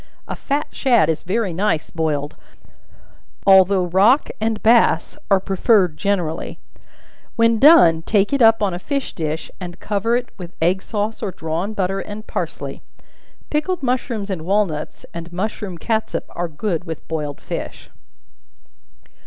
A fat shad is very nice boiled, although rock and bass are preferred generally; when done, take it up on a fish dish, and cover it with egg sauce or drawn butter and parsley. Pickled mushrooms and walnuts, and mushroom catsup, are good with boiled fish.